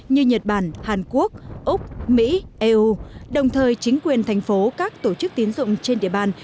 như nhật bản hàn quốc úc mỹ eu đồng thời chính quyền thành phố các tổ chức tiến dụng trên địa bàn